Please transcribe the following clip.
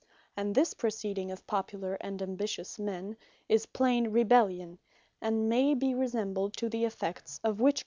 And this proceeding of popular, and ambitious men, is plain Rebellion; and may be resembled to the effects of Witchcraft.